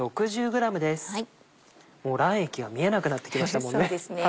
もう卵液が見えなくなってきましたもんね。